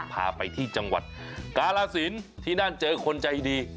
พาไปที่จังหวัดกาลสินที่นั่นเจอคนใจดี